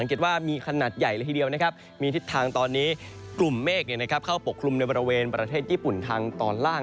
กลุ่มเมฆเข้าปกคลุมในบริเวณประเทศญี่ปุ่นทางตอนล่าง